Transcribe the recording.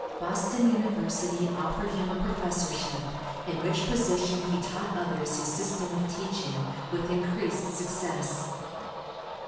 Boston University offered him a professorship, in which position he taught others his system of teaching, with increased success.